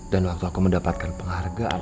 dan waktu aku mendapatkan penghargaan